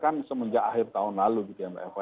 kan semenjak akhir tahun lalu gitu ya mbak eva